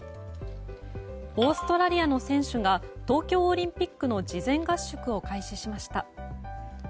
オーストラリアの選手が東京オリンピックの事前合宿を開始しました。